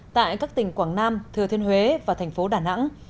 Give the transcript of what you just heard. tại các tỉnh quảng nam thừa thiên huế và thành phố đà nẵng